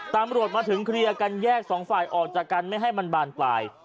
ตำรวจมาถึงเคลียร์กันแยกสองฝ่ายออกจากกันไม่ให้มันบานปลาย